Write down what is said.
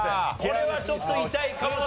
これはちょっと痛いかもしれませんね